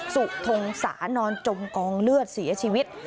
สุทงศานอนจมกองเลือดเสียชีวิต